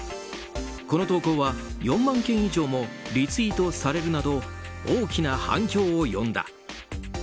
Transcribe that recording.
この投稿は４万件以上もリツイートされるなど大きな反響を呼んだ。